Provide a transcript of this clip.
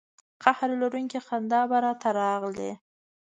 قهر لرونکې خندا به را ته راغلې.